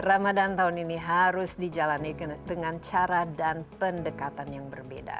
ramadan tahun ini harus dijalani dengan cara dan pendekatan yang berbeda